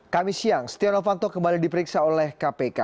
kamis siang setia novanto kembali diperiksa oleh kpk